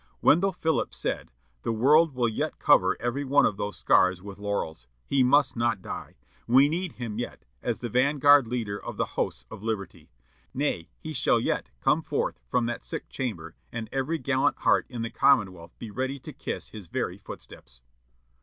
Wendell Phillips said: "The world will yet cover every one of those scars with laurels. He must not die! We need him yet, as the van guard leader of the hosts of Liberty. Nay, he shall yet come forth from that sick chamber, and every gallant heart in the commonwealth be ready to kiss his very footsteps."